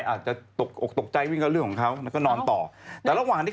กลัวว่าผมจะต้องไปพูดให้ปากคำกับตำรวจยังไง